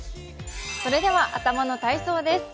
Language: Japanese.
それでは頭の体操です。